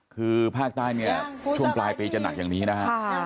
คือภาคใต้ช่วงปลายปีจะหนักอย่างนี้ครับ